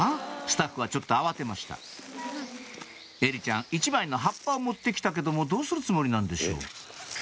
スタッフはちょっと慌てました絵理ちゃん１枚の葉っぱを持って来たけどもどうするつもりなんでしょう？